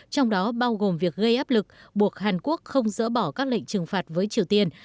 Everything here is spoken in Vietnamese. trong đó bao gồm việc gây áp lực buộc hàn quốc không dỡ bỏ các lệnh trừng phạt với triều tiên